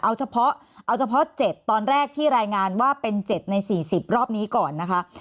เอาเฉพาะเจ็ดตอนแรกที่รายงานว่าเป็นเจ็ดใน๔๐รอบนี้ก่อนนะคะ